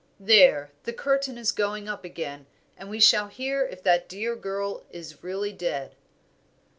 There! the curtain is going up again, and we shall hear if that dear girl is really dead."